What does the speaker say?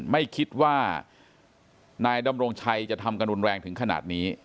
ไม่คิดว่านายดำรงชัยจะทำกันรุนแรงถึงขนาดนี้